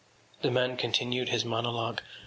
The man continued his monologue.